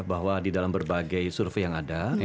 bahwa di dalam berbagai survei yang ada